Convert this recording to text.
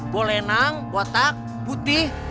bolenang watak putih